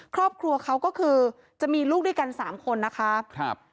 ครอบครัวเขาก็คือจะมีลูกด้วยกันสามคนนะคะครับ